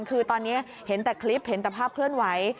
คือตอนนี้เห็นแต่คลิปเห็นแต่ภาพเคลื่อนไหว